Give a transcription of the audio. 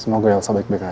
semoga elsa baik baik aja